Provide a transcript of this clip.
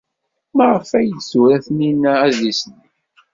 Maɣef ay d-tura Taninna adlis-nni?